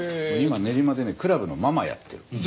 今練馬でねクラブのママやってる。